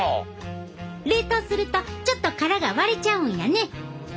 冷凍するとちょっと殻が割れちゃうんやね。